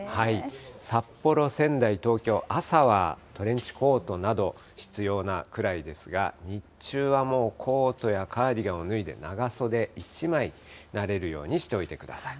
札幌、仙台、東京、朝はトレンチコートなど、必要なくらいですが、日中はもう、コートやカーディガン脱いで、長袖１枚になれるようにしておいてください。